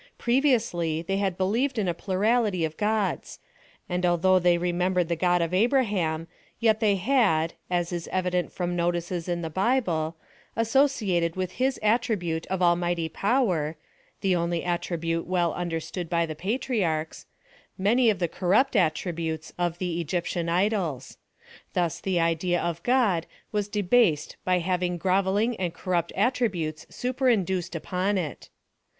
Previously they had believed in a plurality of Gods ; and al though they remembered the God of Abraham, yet they had, as is evident from notices in the Bible, as sociated with his attribute of almighty power (the only attribute well understood by the Patriarchs) many of the corrupt attributes of the Egyptian idols. Thus the idea of God was debased by hav ing grovelling and corrupt attributes superinduced upon it.